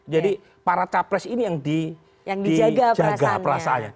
jadi para capres ini yang dijaga perasaannya